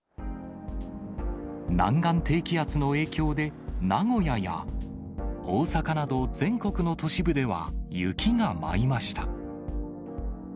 南岸低気圧の影響で、名古屋や大阪など、全国の都市部では、雪が舞いました。